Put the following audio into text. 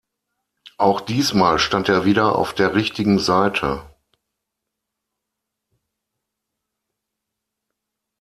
Auch diesmal stand er wieder auf der richtigen Seite.